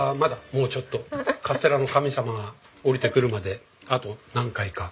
もうちょっとカステラの神様が降りてくるまであと何回か。